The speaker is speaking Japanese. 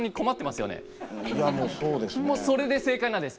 それで正解なんです。